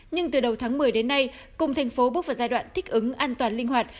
nhưng từ đầu tháng một mươi đến nay cùng thành phố bước vào giai đoạn thích ứng an toàn linh hoạt